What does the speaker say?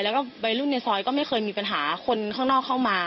แล้วก็วัยรุ่นในซอยก็ไม่เคยมีปัญหาคนข้างนอกเข้ามา